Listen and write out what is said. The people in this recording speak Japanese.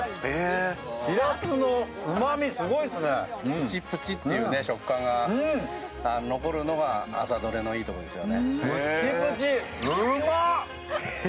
プチプチっていう食感が残るのが朝どれのいいところですよね。